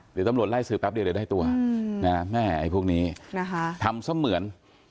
เดี๋ยวตำรวจไล่สืบแป๊บเดี๋ยวได้ตัวแม่พวกนี้ทำเสียเหมือน